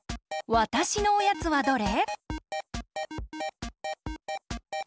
わたしのおやつはどれ？